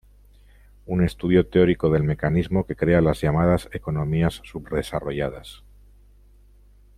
Un estudio teórico del mecanismo que crea las llamadas economías subdesarrolladas.